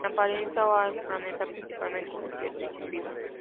En apariencia, Oa es un planeta principalmente desierto y sin vida.